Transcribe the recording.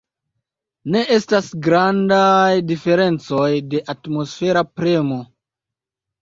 Ne estas grandaj diferencoj de atmosfera premo.